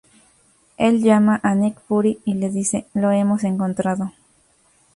Él llama a Nick Fury y le dice: "Lo hemos encontrado.